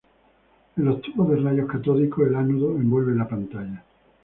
En los tubos de rayos catódicos el ánodo envuelve la pantalla.